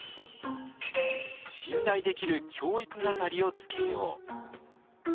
信頼できる教育係をつけよう。